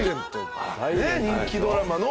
人気ドラマの。